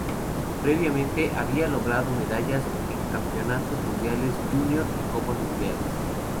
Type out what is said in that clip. Previamente, había logrado medallas en campeonatos mundiales júnior y copas mundiales.